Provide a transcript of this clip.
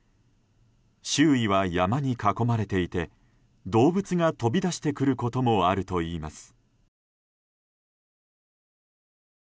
周囲は山に囲まれていて動物が飛び出してくることもあるといいます。